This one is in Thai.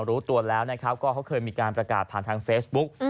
รู้ตัวแล้วนะครับก็เขาเคยมีการประกาศผ่านทางเฟซบุ๊ก